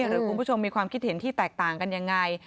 หรือคุณผู้ชมมีความคิดเห็นที่แตกต่างกันยังไง